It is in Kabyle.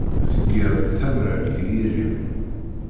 Tgiḍ-d tamrart i yiri-m.